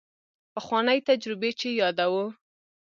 پخوانۍ تجربې چې یادوو.